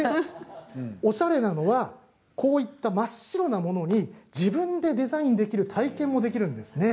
おしゃれなのはこういった真っ白なものに自分でデザインする体験もできるんです。